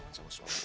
murut kata suami